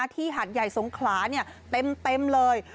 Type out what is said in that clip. ที่หาดใหญ่สงขลาเนี่ยเต็มเลย